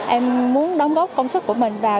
em muốn đóng góp công sức của mình vào